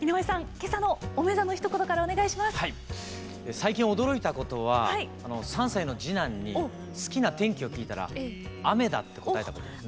最近驚いたことは３歳の次男に好きな天気を聞いたら雨だって答えたことです。